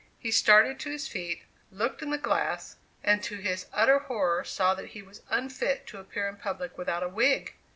He started to his feet, looked in the glass, and to his utter horror saw that he was unfit to appear in public without a wig!